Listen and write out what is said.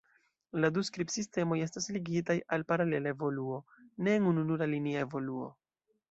La du skribsistemoj estas ligitaj al paralela evoluo, ne en ununura linia evoluo.